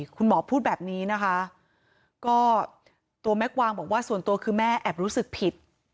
คุณหมอพูดแบบนี้นะคะก็ตัวแม่กวางบอกว่าส่วนตัวคือแม่แอบรู้สึกผิด